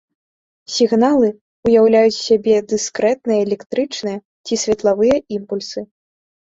Сігналы ўяўляюць з сябе дыскрэтныя электрычныя ці светлавыя імпульсы.